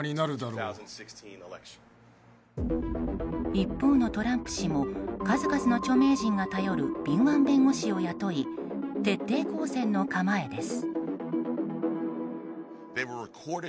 一方のトランプ氏も数々の著名人が頼る敏腕弁護士を雇い徹底抗戦の構えです。